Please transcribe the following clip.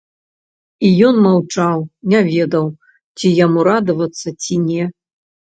І ён маўчаў, не ведаў, ці яму радавацца, ці не.